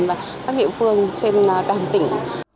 và các địa phương trên toàn tỉnh